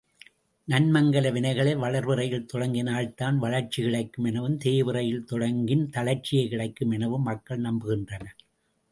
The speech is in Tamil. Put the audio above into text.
நன்மங்கல வினைகளை வளர்பிறையில் தொடங்கினால்தான் வளர்ச்சி கிடைக்கும் எனவும், தேய்பிறையில் தொடங்கின் தளர்ச்சியே கிடைக்கும் எனவும் மக்கள் நம்புகின்றனர்.